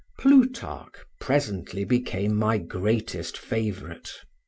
Plutarch presently became my greatest favorite.